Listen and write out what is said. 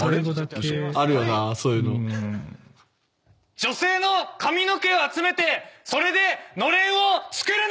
女性の髪の毛を集めてそれでのれんを作るな！